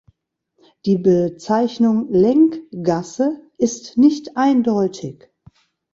Die Bezeichnung «Länggasse» ist nicht eindeutig.